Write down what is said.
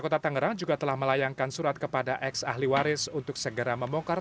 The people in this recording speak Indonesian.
kota tangerang juga telah melayangkan surat kepada ex ahli waris untuk segera membongkar